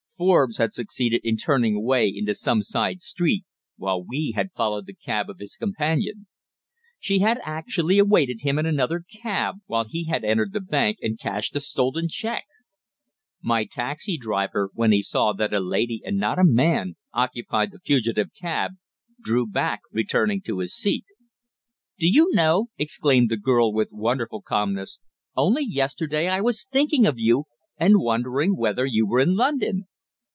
Forbes had succeeded in turning away into some side street, while we had followed the cab of his companion. She had actually awaited him in another cab while he had entered the bank and cashed the stolen cheque! My taxi driver, when he saw that a lady, and not a man, occupied the fugitive cab, drew back, returning to his seat. "Do you know!" exclaimed the girl, with wonderful calmness, "only yesterday I was thinking of you, and wondering whether you were in London!"